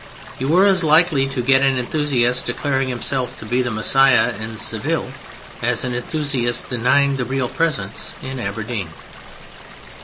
You were as likely to get an enthusiast declaring himself to be the Messiah in Seville as an enthusiast denying the Real Presence in Aberdeen.